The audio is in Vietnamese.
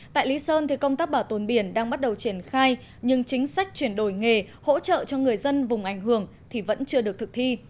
tại lý sơn thì công tác bảo tồn biển đang bắt đầu triển khai nhưng chính sách chuyển đổi nghề hỗ trợ cho người dân vùng ảnh hưởng thì vẫn chưa được thực thi